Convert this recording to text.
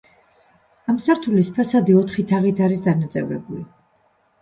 ამ სართულის ფასადი ოთხი თაღით არის დანაწევრებული.